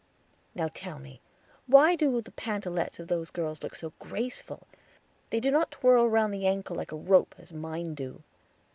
"Now tell me, why do the pantalettes of those girls look so graceful? They do not twirl round the ankle like a rope, as mine do."